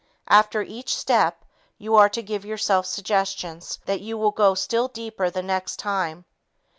After each step, you are to give yourself suggestions that you will go still deeper the next time.